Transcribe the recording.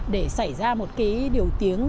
để xảy ra một cái điều tiếng